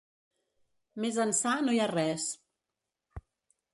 Més ençà no hi ha res.